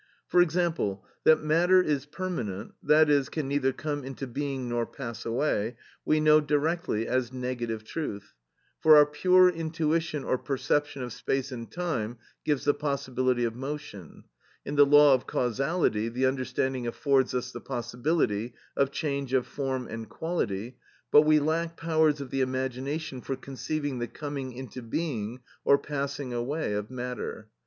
For example, that matter is permanent, that is, can neither come into being nor pass away, we know directly as negative truth; for our pure intuition or perception of space and time gives the possibility of motion; in the law of causality the understanding affords us the possibility of change of form and quality, but we lack powers of the imagination for conceiving the coming into being or passing away of matter.